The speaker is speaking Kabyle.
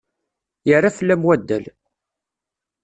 Yerra fell-am wadal.